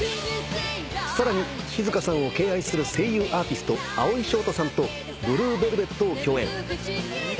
さらに静香さんを敬愛する声優アーティスト蒼井翔太さんと『ＢｌｕｅＶｅｌｖｅｔ』を共演。